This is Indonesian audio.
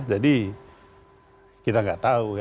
jadi kita tidak tahu ya